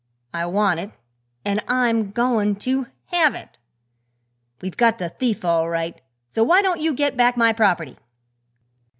I want it, an' I'm goin' to have it! We've got the thief, all right, so why don't you get back my property?"